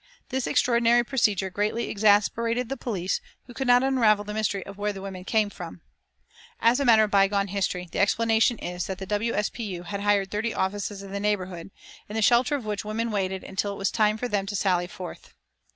This extraordinary procedure greatly exasperated the police, who could not unravel the mystery of where the women came from. As a matter of bygone history the explanation is that the W. S. P. U. had hired thirty offices in the neighborhood, in the shelter of which the women waited until it was time for them to sally forth.